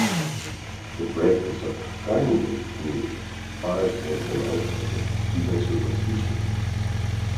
The practice of kindling need-fires was denounced as a heathen superstition.